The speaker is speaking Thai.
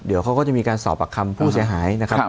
เดี๋ยวเขาก็จะมีการสอบปากคำผู้เสียหายนะครับ